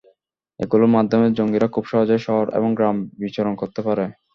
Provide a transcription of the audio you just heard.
এগুলোর মাধ্যমে জঙ্গিরা খুব সহজেই শহর এবং গ্রামে বিচরণ করতে পারে।